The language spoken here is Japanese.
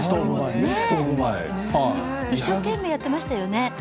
一生懸命やっていましたよね。